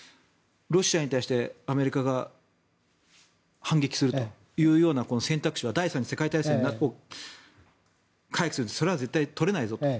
ロシアに対してアメリカが反撃するというような選択肢は第３次世界大戦を回避するためにそれは絶対取れないぞと。